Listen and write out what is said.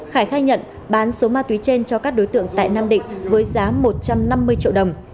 khải khai nhận bán số ma túy trên cho các đối tượng tại nam định với giá một trăm năm mươi triệu đồng